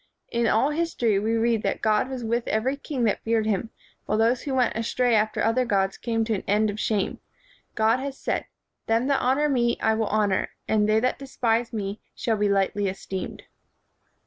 In all history we read that God was with every king that feared him, while those who went astray after other gods came to an end of shame. God has said, 'Them that honor me I will honor; and they that despise me shall be lightly esteemed.'